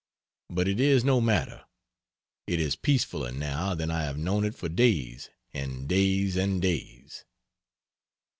But it is no matter. It is peacefuller now than I have known it for days and days and days.